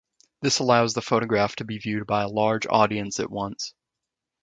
This allows the photograph to be viewed by a large audience at once.